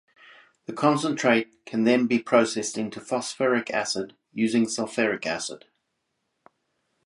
The concentrate can be then processed into phosphoric acid using sulphuric acid.